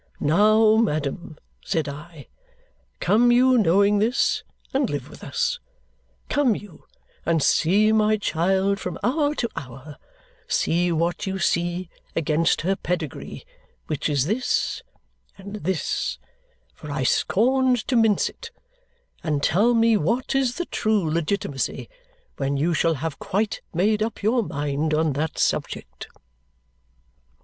'Now, madam,' said I, 'come you, knowing this, and live with us. Come you, and see my child from hour to hour; set what you see against her pedigree, which is this, and this' for I scorned to mince it 'and tell me what is the true legitimacy when you shall have quite made up your mind on that subject.'